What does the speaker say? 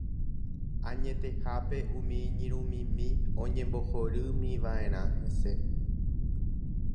Añetehápe, umi iñirũmimi oñembohorýmiva'erã hese.